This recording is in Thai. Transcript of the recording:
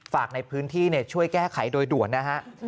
ฝากในพื้นที่ช่วยแก้ไขโดยด่วนนะฮะ